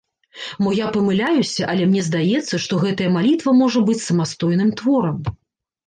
Мо я памыляюся, але мне здаецца, што гэтая малітва можа быць самастойным творам.